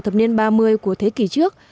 thập niên ba mươi của thế kỷ trước